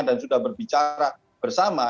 dan sudah berbicara bersama